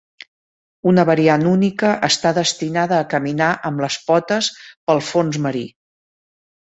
Una variant única està destinada a caminar amb les potes pel fons marí.